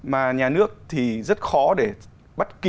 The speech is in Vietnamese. mà nhà nước thì rất khó để bắt khỏi